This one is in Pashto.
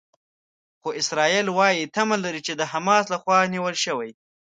خو اسرائیل وايي تمه لري چې د حماس لخوا نیول شوي.